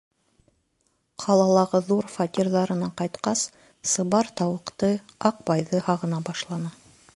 Ҡалалағы ҙур фатирҙарына ҡайтҡас сыбар тауыҡты, Аҡбайҙы һағына башланы.